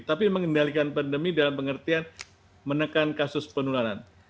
tapi mengendalikan pandemi dalam pengertian menekan kasus penularan